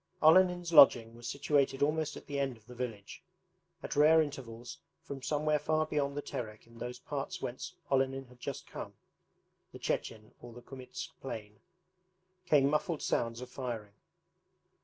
Olenin's lodging was situated almost at the end of the village. At rare intervals, from somewhere far beyond the Terek in those parts whence Olenin had just come (the Chechen or the Kumytsk plain), came muffled sounds of firing.